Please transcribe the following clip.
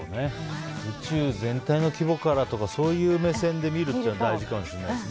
宇宙全体の規模からとかそういう目線で見るというのは大事かもしれないですね。